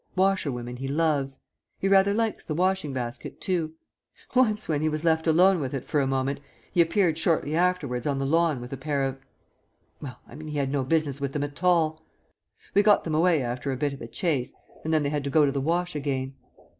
Washerwomen he loves. He rather likes the washing basket too. Once, when he was left alone with it for a moment, he appeared shortly afterwards on the lawn with a pair of well, I mean he had no business with them at all. We got them away after a bit of a chase, and then they had to go to the wash again.